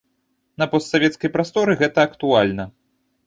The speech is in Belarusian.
На постсавецкай прасторы гэта актуальна.